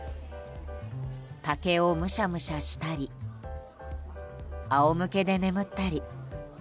竹をむしゃむしゃしたり仰向けで眠ったり。